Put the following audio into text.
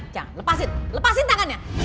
jangan lepasin lepasin tangannya